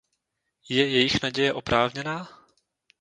Je jejich naděje oprávněná?